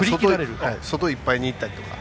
外いっぱいにいったりとか。